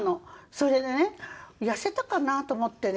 それでね痩せたかな？と思ってね